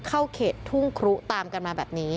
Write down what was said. เข้าเขตทุ่งครุตามกันมาแบบนี้